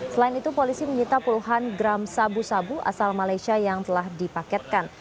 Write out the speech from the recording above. selain itu polisi menyita puluhan gram sabu sabu asal malaysia yang telah dipaketkan